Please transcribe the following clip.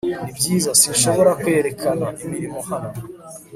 nibyiza, sinshobora kwerekana imirimo hano